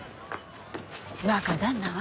若旦那は？